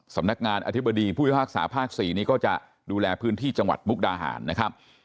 สำนักงานอธิบดีผู้พิพากษาภาค๔นี้ก็จะดูแลพื้นที่จังหวัดมุกดาหารนะครับ